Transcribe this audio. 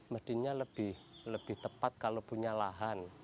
mesinnya lebih tepat kalau punya lahan